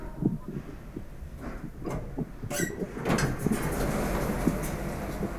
中部地方道路列表是依行政区列出日本中部地方道路的列表。